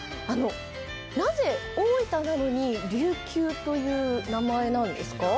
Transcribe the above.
なぜ、大分なのにりゅうきゅうという名前なんですか？